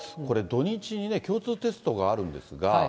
これ、土日にね、共通テストがあるんですが。